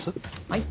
はい。